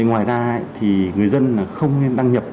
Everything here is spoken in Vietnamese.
ngoài ra thì người dân không nên đăng nhập